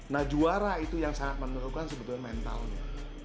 nah juara itu yang sangat menentukan sebetulnya mentalnya